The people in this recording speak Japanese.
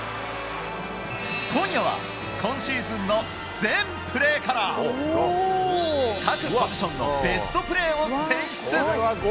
今夜は、今シーズンの全プレーから、各ポジションのベストプレーを選出。